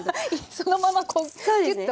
そのままこうぎゅっと。